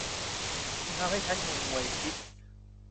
คุณทำให้ฉันงงงวย จี๊ปส์